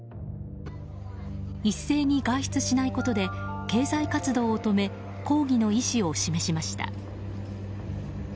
一斉に外出しないことで経済活動を止め抗議の意思を示しました。